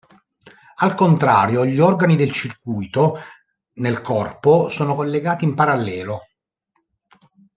Al contrario, gli organi del circuito nel corpo sono collegati in parallelo.